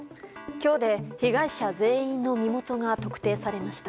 今日で被害者全員の身元が特定されました。